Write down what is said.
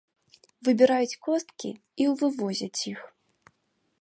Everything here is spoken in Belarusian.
Выбіраюць косткі і вывозяць іх.